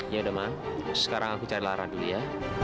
ya udah mah sekarang aku cari lara dulu ya